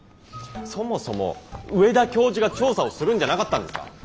そもそも上田教授が調査をするんじゃなかったんですか？